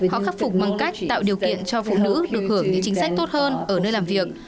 họ khắc phục bằng cách tạo điều kiện cho phụ nữ được hưởng những chính sách tốt hơn ở nơi làm việc